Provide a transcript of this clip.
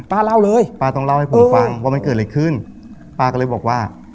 เล่าเลยป้าต้องเล่าให้ผมฟังว่ามันเกิดอะไรขึ้นป้าก็เลยบอกว่า